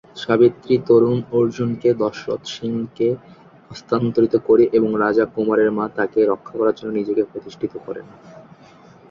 সাবিত্রী তরুণ অর্জুনকে দশরথ সিংকে হস্তান্তরিত করে এবং রাজা কুমারের মা তাকে রক্ষা করার জন্য নিজেকে প্রতিষ্ঠিত করেন।